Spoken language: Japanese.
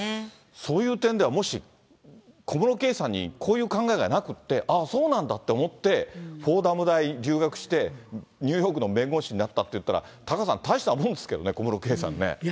そういう点では、もし小室圭さんにこういう考えがなくって、ああ、そうなんだって思って、フォーダム大留学して、ニューヨークの弁護士になったっていったら、タカさん、大したもんですけどね、小室圭さんね。